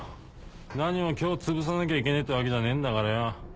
何も今日つぶさなきゃいけねえってわけじゃねえんだからよ。